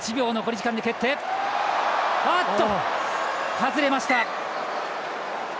外れました。